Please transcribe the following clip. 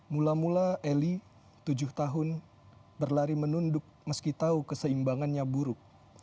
mula mula eli tujuh tahun berlari menunduk meski tahu keseimbangannya buruk